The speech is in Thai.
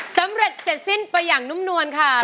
เสร็จสิ้นไปอย่างนุ่มนวลค่ะ